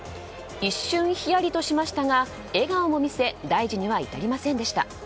一瞬ひやりとしましたが笑顔も見せ大事には至りませんでした。